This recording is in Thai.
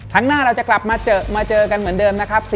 ครั้งหน้าเราจะกลับมาเจอกันเหมือนเดิมนะครับ